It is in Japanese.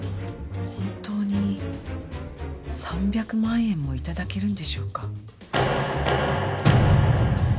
本当に３００万円も頂けるんでしょうか？